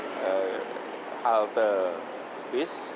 saat ini saya sedang berada di halte bis